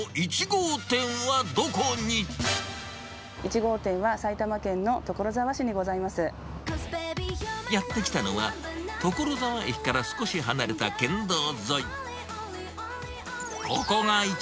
１号店は、やって来たのは、所沢駅から少し離れた県道沿い。